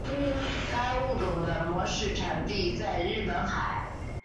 该物种的模式产地在日本海。